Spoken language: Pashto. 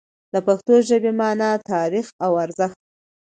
د پښتو ژبې مانا، تاریخ او ارزښت